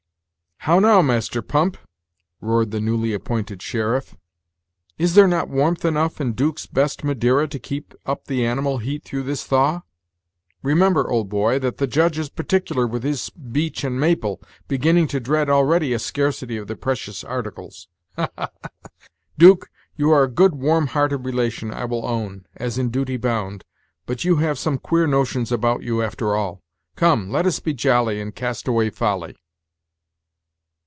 "How now, Master Pump!" roared the newly appointed sheriff; "is there not warmth enough in 'Duke's best Madeira to keep up the animal heat through this thaw? Remember, old boy, that the Judge is particular with his beech and maple, beginning to dread already a scarcity of the precious articles. Ha! ha! ha! 'Duke, you are a good, warm hearted relation, I will own, as in duty bound, but you have some queer notions about you, after all. 'Come, let us be jolly, and cast away folly."